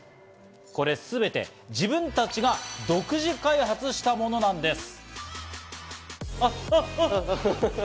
これすべて自分たちが独自開発したものなんです。